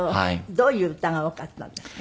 どういう歌が多かったんですか？